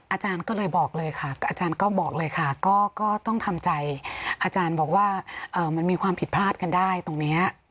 อาจารย์ก็เลยบอกเลยค่ะก็ต้องทำใจอาจารย์บอกว่ามันมีความผิดพลาดกันได้ตรงนี้